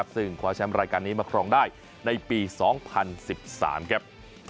ซึ่งคว้าแชมป์รายการนี้มาครองได้ในปี๒๐๑๓ครับ